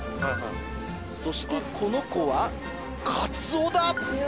そしてこの子はカツオだ！